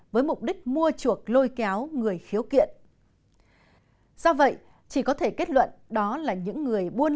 với mục đích mua chuộc lôi kéo người khiếu kiện do vậy chỉ có thể kết luận đó là những người buôn